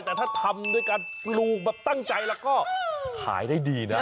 แต่ถ้าทำด้วยการปลูกแบบตั้งใจแล้วก็ขายได้ดีนะ